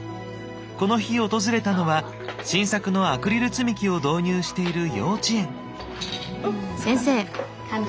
この日訪れたのは新作のアクリル積み木を導入している幼稚園。